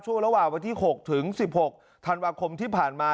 ระหว่างวันที่๖ถึง๑๖ธันวาคมที่ผ่านมา